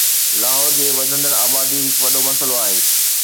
لاهور جي وڌندڙ آبادي هڪ وڏو مسئلو آهي